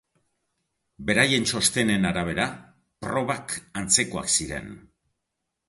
Beraien txostenen arabera probak antzekoak ziren.